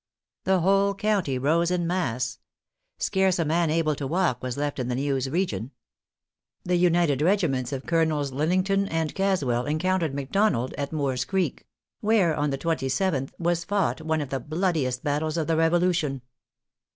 The whole county rose in mass; scarce a man able to walk was left in the Neuse region. The united regiments of Colonels Lillington and Caswell encountered McDonald at Moore's Creek; * where, on the twenty seventh, was fought one of the bloodiest battles of the Revolution.